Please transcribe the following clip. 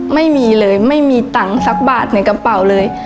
ไม่มีเลยไม่มีตังค์สักบาทในกระเป๋าเลย